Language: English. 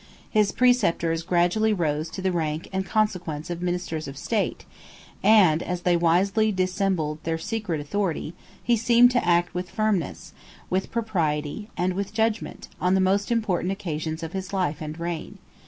His preceptors gradually rose to the rank and consequence of ministers of state: 2 and, as they wisely dissembled their secret authority, he seemed to act with firmness, with propriety, and with judgment, on the most important occasions of his life and reign.